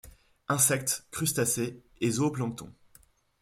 Insectes, crustacés et zooplancton.